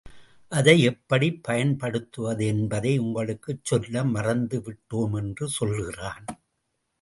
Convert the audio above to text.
அதை எப்படிப் பயன்படுத்துவது என்பதை உங்களுக்குச் சொல்ல மறந்து விட்டோம் என்று சொல்கிறான்.